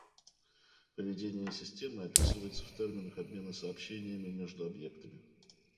Поведение системы описывается в терминах обмена сообщениями между объектами